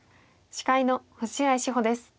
司会の星合志保です。